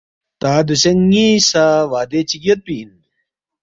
تا دوسے ن٘ی سہ وعدے چِک یودپی اِن